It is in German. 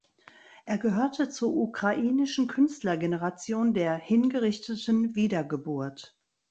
Er gehörte zur ukrainischen Künstlergeneration der "hingerichteten Wiedergeburt".